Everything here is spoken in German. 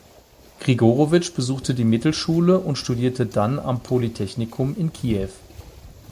Grigorowitsch besuchte die Mittelschule und studierte dann am Polytechnikum in Kiew.